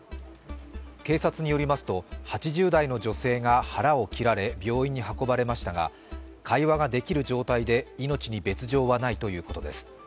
警察によりますと、８０代の女性が腹を切られ、病院に運ばれましたが、会話ができる状態で命に別状はないということです。